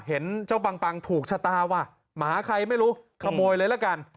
เห็นเจ้าปังปังถูกชะตาว่ะหมาใครไม่รู้ขโมยเลยละกัน